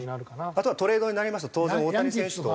あとはトレードになりますと当然大谷選手と。